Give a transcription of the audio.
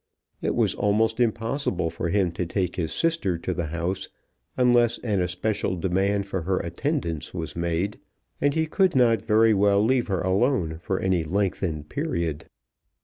It was almost impossible for him to take his sister to the house unless an especial demand for her attendance was made; and he could not very well leave her alone for any lengthened period.